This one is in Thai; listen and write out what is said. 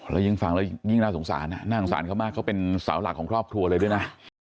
แล้วยิ่งฟังแล้วยิ่งน่าสงสารนะน่าสงสารเขามากเขาเป็นเสาหลักของครอบครัวเลยด้วยนะ